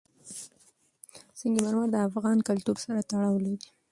سنگ مرمر د افغان کلتور سره تړاو لري.